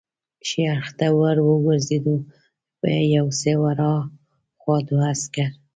ښي اړخ ته ور وګرځېدو، یو څه ور هاخوا دوه عسکر.